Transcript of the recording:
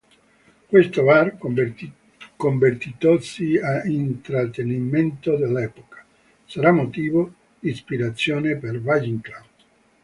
Questo bar convertitosi a intrattenimento dell'epoca, sarà motivo di ispirazione per Valle Inclán.